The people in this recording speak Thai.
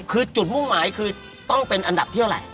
คือจุดมุ่งหมายคือต้องเป็นอันดับที่เท่าไหร่